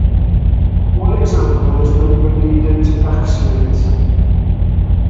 One example is number needed to vaccinate.